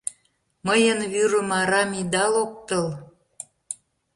Мыйын вӱрым арам ида локтыл!..